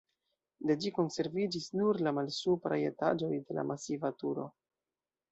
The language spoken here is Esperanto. De ĝi konserviĝis nur la malsupraj etaĝoj de la masiva turo.